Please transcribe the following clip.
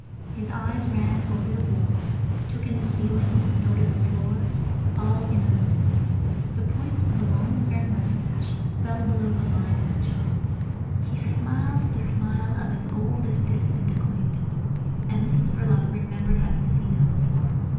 His eyes ran over the walls, took in the ceiling, noted the floor—all in a moment. The points of a long fair moustache fell below the line of the jaw. He smiled the smile of an old if distant acquaintance, and Mrs Verloc remembered having seen him before.